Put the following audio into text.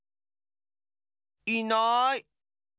いない！